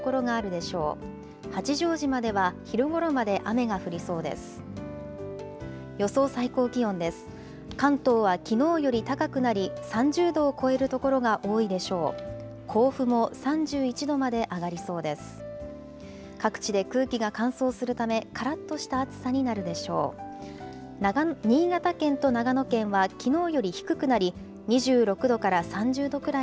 各地で空気が乾燥するため、からっとした暑さになるでしょう。